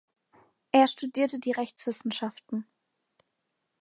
Er studierte die Rechtswissenschaften.